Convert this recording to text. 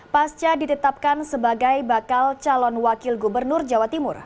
pasca ditetapkan sebagai bakal calon wakil gubernur jawa timur